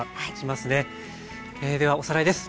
ではおさらいです。